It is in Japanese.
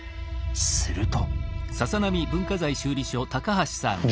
すると。